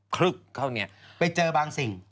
คลึกเข้าเนี่ยไปเจอบางสิ่ง